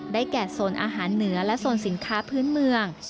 แก่โซนอาหารเหนือและโซนสินค้าพื้นเมือง